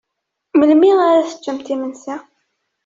Melmi ara teččent imensi?